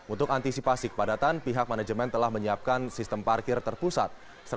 untuk antisipasi kepadatan pihak manajemen telah menyiapkan sistem parkir terpusat